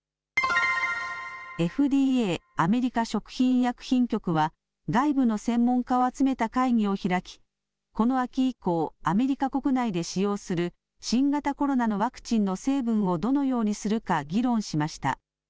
ＦＤＡ・アメリカ食品医薬品局は外部の専門家を集めた会議を開きこの秋以降、アメリカ国内で使用する新型コロナのワクチンの成分をどのようにするか議論しました。